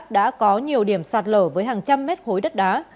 đã có nhiều điểm sạt lở với hàng trăm mét khối đất đá